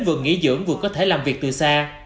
vừa nghỉ dưỡng vừa có thể làm việc từ xa